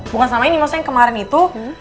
bukan selama ini maksudnya yang kemarin itu